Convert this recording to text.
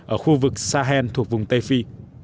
ở khu vực sahel thuộc vùng tây phi